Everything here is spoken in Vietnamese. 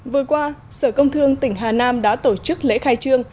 vừa qua sở công thương tỉnh hà nam đã tổ chức lễ khai trương